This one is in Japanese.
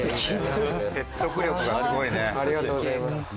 ありがとうございます。